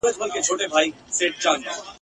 سمدستي یې کړه ور پرې غاړه په توره ..